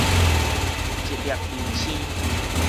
一顆流星